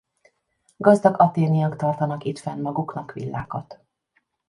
Gazdag athéniak tartanak itt fenn maguknak villákat.